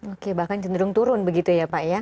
oke bahkan cenderung turun begitu ya pak ya